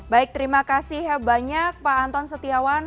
baik terima kasih banyak pak anton setiawan